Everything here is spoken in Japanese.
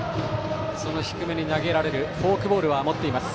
低めに投げられるフォークボールは持っています。